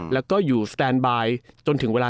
แล้วก็อยู่สแตนบายจนถึงเวลา